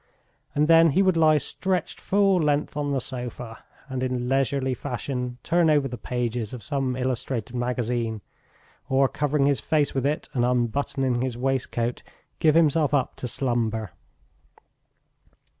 And then, he would lie stretched full length on the sofa, and in leisurely fashion turn over the pages of some illustrated magazine, or, covering his face with it and unbuttoning his waistcoat, give himself up to slumber.